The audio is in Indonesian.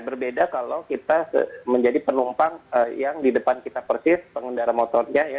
berbeda kalau kita menjadi penumpang yang di depan kita persis pengendara motornya ya